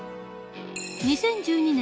２０１２年